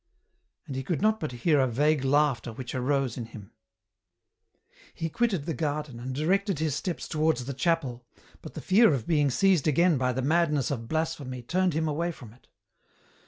And he could not but hear a vague laughter which arose in him. He quitted the garden, and directed his steps towards the chapel, but the fear of being seized again by the madness of blasphemy turned him away from it.